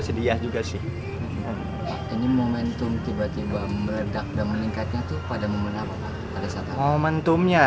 sedia juga sih ini momentum tiba tiba meredak dan meningkatnya tuh pada menggunakan momentumnya